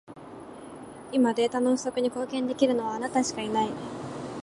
今、データの不足に貢献できるのは、あなたしかいない。